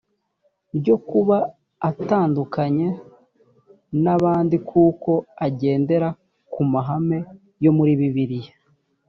ryo kuba atandukanye n abandi kuko agendera ku mahame yo muri bibiliya